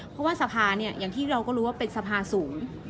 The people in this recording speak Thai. เพราะว่าสภาเนี่ยอย่างที่เราก็รู้ว่าเป็นสภาสูง